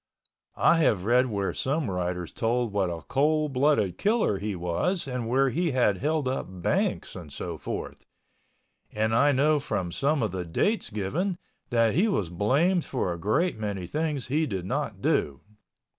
I have read where some writers told what a cold blooded killer he was and where he had held up banks and so forth, and I know from some of the dates given that he was blamed for a great many things he did not do.